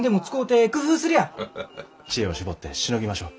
知恵を絞ってしのぎましょう。